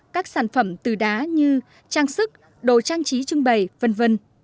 các sản phẩm từ đá như trang sức đồ trang trí trưng bày v v